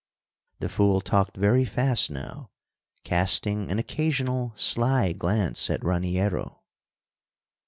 '" The fool talked very fast now, casting an occasional sly glance at Raniero.